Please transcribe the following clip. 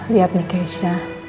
lihat nih kisah